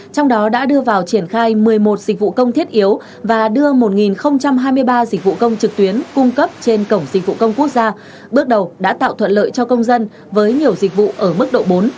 trong đó đã đưa vào triển khai một mươi một dịch vụ công thiết yếu và đưa một hai mươi ba dịch vụ công trực tuyến cung cấp trên cổng dịch vụ công quốc gia bước đầu đã tạo thuận lợi cho công dân với nhiều dịch vụ ở mức độ bốn